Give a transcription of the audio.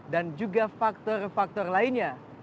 dan juga faktor faktor lainnya